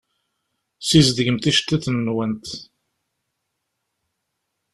Sizdegemt iceṭṭiḍen-nwent.